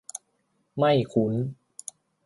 ไม่คุ้น